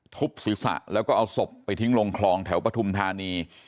ทุบศีรษะแล้วก็เอาศพไปทิ้งลงคลองแถวปฐุมธานี